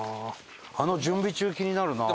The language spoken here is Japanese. あの「準備中」気になるな。